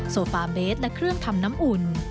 โซฟาเบสและเครื่องทำน้ำอุ่น